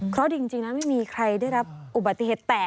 เพราะจริงแล้วไม่มีใครได้รับอุบัติเหตุ